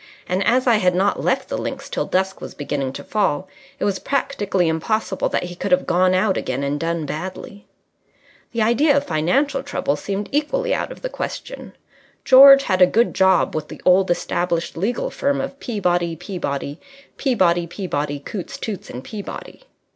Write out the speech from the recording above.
And, as I had not left the links till dusk was beginning to fall, it was practically impossible that he could have gone out again and done badly. The idea of financial trouble seemed equally out of the question. George had a good job with the old established legal firm of Peabody, Peabody, Peabody, Peabody, Cootes, Toots, and Peabody.